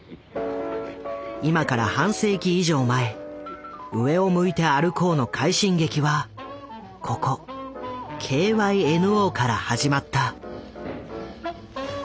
今から半世紀以上前「上を向いて歩こう」の快進撃はここＫＹＮＯから始まった。